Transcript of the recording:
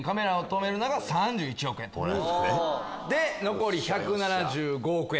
残り１７５億円。